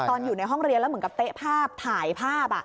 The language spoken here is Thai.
อยู่ในห้องเรียนแล้วเหมือนกับเต๊ะภาพถ่ายภาพ